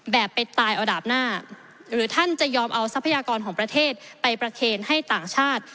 ไปตายเอาดาบหน้าหรือท่านจะยอมเอาทรัพยากรของประเทศไปประเคนให้ต่างชาติ